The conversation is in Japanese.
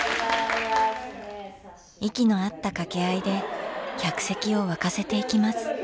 息の合ったかけ合いで客席を沸かせていきます。